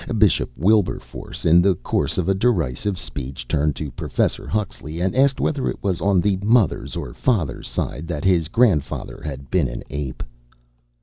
Bishop Wilberforce, in the course of a derisive speech, turned to Professor Huxley and asked whether it was on the mother's or father's side that his grandfather had been an ape.